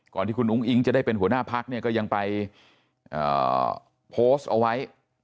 ที่คุณอุ้งอิ๊งจะได้เป็นหัวหน้าพักเนี่ยก็ยังไปโพสต์เอาไว้